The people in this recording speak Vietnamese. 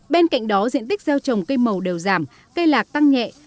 bên cạnh đó diện tích gieo trồng cây màu đều giảm cây lạc tăng nhẹ